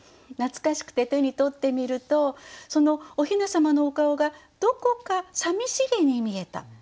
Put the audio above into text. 懐かしくて手に取ってみるとそのおひなさまのお顔がどこかさみしげに見えた。